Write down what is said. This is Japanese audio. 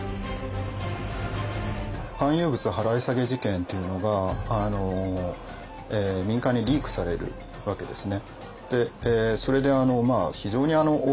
官有物払下げ事件っていうのが民間にリークされるわけですね。